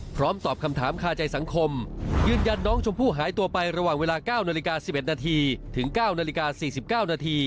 พร้อมตอบคำถามคาใจสังคมยืนยันน้องชมพู่หายตัวไประหว่างเวลา๙๑๑นถึง๙๔๙น